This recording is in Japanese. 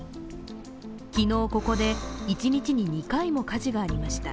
昨日ここで、一日に２回も火事がありました。